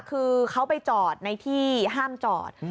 คือเขาไปจอดในที่ห้ามจอด